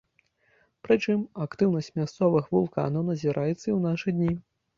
Прычым, актыўнасць мясцовых вулканаў назіраецца і ў нашы дні.